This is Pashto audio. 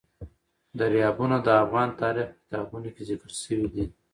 دریابونه د افغان تاریخ په کتابونو کې ذکر شوی دي.